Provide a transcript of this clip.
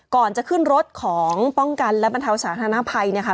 ก่อนจะขึ้นรถของป้องกันและบรรเทาสาธารณภัยเนี่ยค่ะ